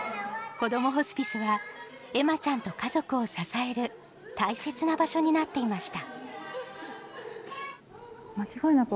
こどもホスピスは、恵麻ちゃんと家族を支える大切な場所になっていました。